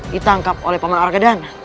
ditangkap oleh paman argadana